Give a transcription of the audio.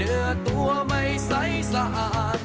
เนื้อตัวไม่ใสสะอาด